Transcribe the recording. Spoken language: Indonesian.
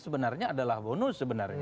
sebenarnya adalah bonus